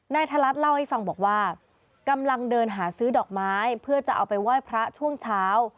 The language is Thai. ทะลัดเล่าให้ฟังบอกว่ากำลังเดินหาซื้อดอกไม้เพื่อจะเอาไปไหว้พระช่วงเช้า